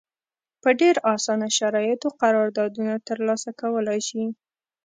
په ډېر اسانه شرایطو قراردادونه ترلاسه کولای شي.